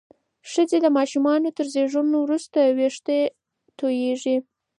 ښځې د ماشومانو تر زیږون وروسته وېښتې تویېږي.